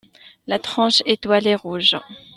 La tranche est toilée rouge.